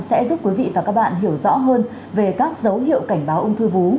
sẽ giúp quý vị và các bạn hiểu rõ hơn về các dấu hiệu cảnh báo ung thư vú